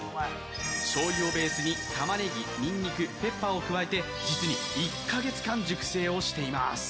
しょうゆをベースにたまねぎ、にんにく、ペッパーを加えて実に１か月間熟成をしています。